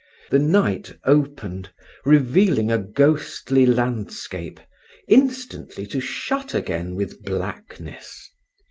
The night opened, revealing a ghostly landscape, instantly to shut again with blackness.